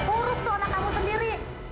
urus tuh anak kamu sendiri